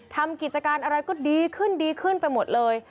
ทำกิจการอะไรก็ดีขึ้นดีขึ้นไปหมดเลย